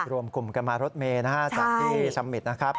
รวมกลุ่มกันมารถเมนะฮะจากที่ซัมมิตรนะครับ